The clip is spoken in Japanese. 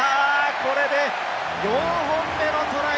これで４本目のトライ！